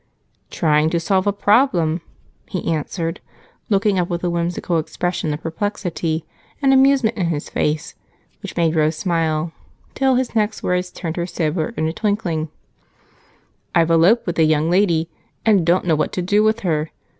"Trying to solve a problem," he answered, looking up with a whimsical expression of perplexity and amusement in his face which made Rose smile till his next words turned her sober in a twinkling: "I've eloped with a young lady, and don't know what to do with her.